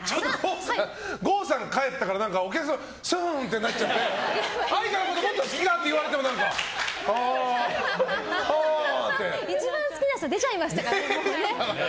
郷さんが帰ったからお客さんもすんってなっちゃって愛花のこともっと好きか？って言われても一番好きな人出ちゃいましたからね。